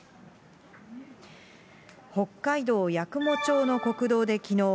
北海道八雲町の国道できのう、